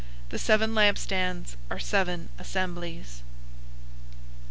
The seven lampstands are seven assemblies.